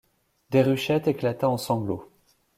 Déruchette éclata en sanglots.